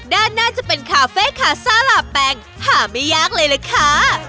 ด้านหน้าจะเป็นคาเฟ่คาซ่าลาแปงหาไม่ยากเลยล่ะค่ะ